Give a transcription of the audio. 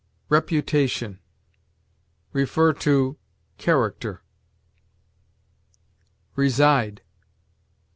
REPUTATION. See CHARACTER. RESIDE.